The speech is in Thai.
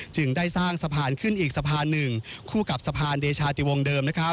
จึงได้สร้างสะพานขึ้นอีกสะพานหนึ่งคู่กับสะพานเดชาติวงเดิม